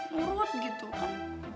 murot gitu kan aneh